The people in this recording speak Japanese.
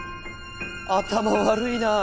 頭悪いなぁ。